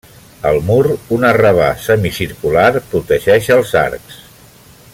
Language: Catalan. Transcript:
Al mur, un arrabà semicircular protegeix els arcs.